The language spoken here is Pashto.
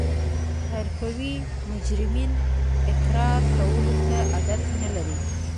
حرفوي مجرمین اقرار کولو ته عادت نلري